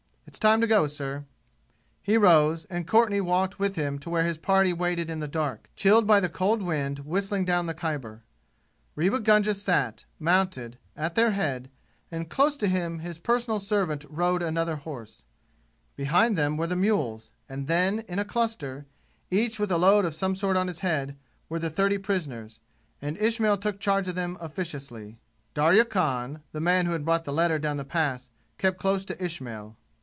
"It's time to go, sir." He rose, and Courtenay walked with him to where his party waited in the dark, chilled by the cold wind whistling down the Khyber. Rewa Gunga sat, mounted, at their head, and close to him his personal servant rode another horse. Behind them were the mules, and then in a cluster, each with a load of some sort on his head, were the thirty prisoners, and Ismail took charge of them officiously. Darya Khan, the man who had brought the letter down the Pass, kept close to Ismail.